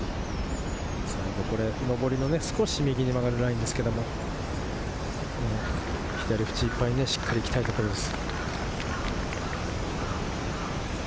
上りの、少し右に曲がるラインですけれど、左ふちいっぱいに、しっかり行きたいところです。